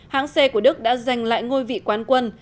hãng xe của đức đã giành lại ngôi vị quán quân